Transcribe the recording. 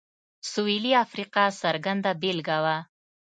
سوېلي افریقا څرګنده بېلګه وه.